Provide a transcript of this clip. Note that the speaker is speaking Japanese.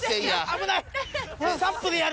危ない！